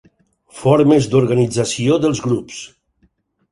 Formes d'organització dels grups.